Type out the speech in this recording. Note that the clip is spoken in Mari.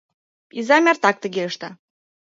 — Изам эртак тыге ышта.